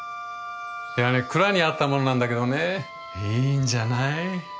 いやね蔵にあったものなんだけどねいいんじゃない。